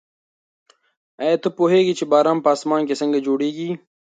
ایا ته پوهېږې چې باران په اسمان کې څنګه جوړېږي؟